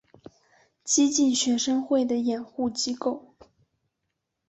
激进学生会的掩护机构。